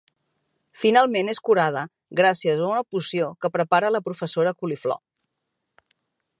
Finalment és curada gràcies a una poció que prepara la Professora Coliflor.